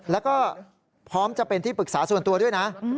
แล้วก็พร้อมจะเป็นที่ปรึกษาส่วนตัวด้วยนะ